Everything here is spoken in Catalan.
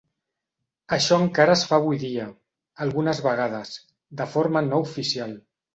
Això encara es fa avui dia, algunes vegades, de forma no oficial.